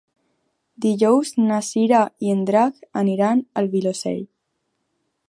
Dijous na Cira i en Drac aniran al Vilosell.